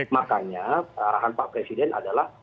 makanya arahan pak presiden adalah